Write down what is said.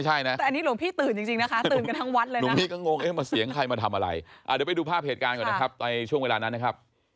หลวงพี่ตื่นอันนี้ไม่ใช่นะ